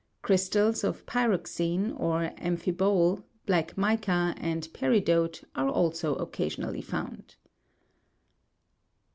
Crystals of py'roxene, of am'phibole, black mica and peri dote are also occasionally found.